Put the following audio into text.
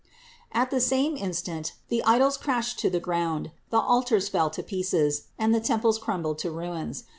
At the same instant the idols crashed to the ground, the altars fell to pieces, and the temples crumbled to ruins.